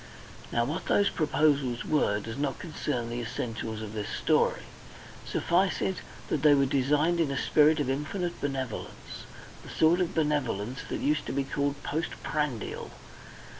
Now what those proposals were does not concern the essentials of this story. Suffice it that they were designed in a spirit of infinite benevolence, the sort of benevolence that used to be called post prandial.